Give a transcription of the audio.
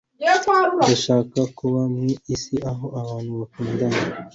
Ndashaka kubaho mw'isi aho abantu bakundana